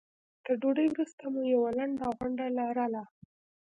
تر ډوډۍ وروسته مو یوه لنډه غونډه لرله.